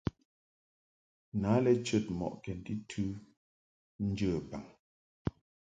Na lɛ chəd mɔʼ kɛnti tɨ njə baŋ.